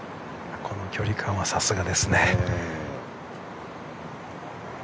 この距離感はさすがですね。